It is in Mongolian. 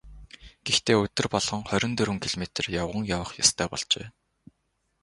Гэхдээ өдөр болгон хорин дөрвөн километр явган явах ёстой болжээ.